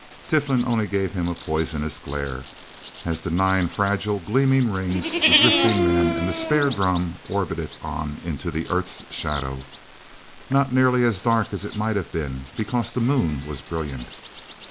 Tiflin only gave him a poisonous glare, as the nine fragile, gleaming rings, the drifting men and the spare drum, orbited on into the Earth's shadow, not nearly as dark as it might have been because the Moon was brilliant.